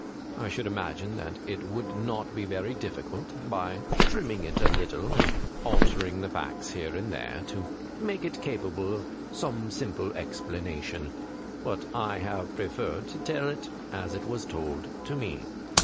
I should imagine that it would not be very difficult, by trim ming it a little and altering the facts here and there, to make it capable of some simple explanation ; but I have preferred to tell it as it was told to me.